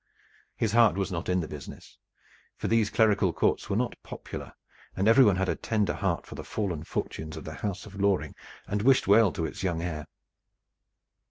His heart was not in the business, for these clerical courts were not popular, and everyone had a tender heart for the fallen fortunes of the house of Loring and wished well to its young heir.